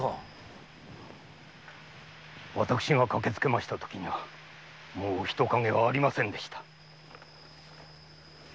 私が駆けつけたときには人影はありませんでした。